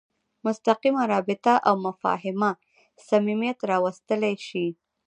مستقیمه رابطه او مفاهمه صمیمیت راوستلی شي.